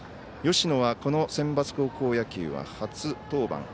芳野はこのセンバツ高校野球は初登板。